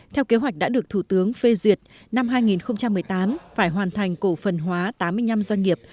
theo kế hoạch đã được thủ tướng phê duyệt năm hai nghìn một mươi tám phải hoàn thành cổ phần hóa tám mươi năm doanh nghiệp